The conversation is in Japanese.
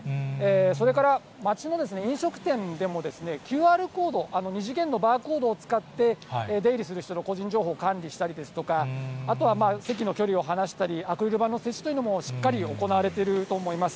それから街の飲食店でも、ＱＲコード、２次元のバーコードを使って出入りする人の個人情報を管理したりですとか、あとは席の距離を離したり、アクリル板の設置というのもしっかり行われていると思います。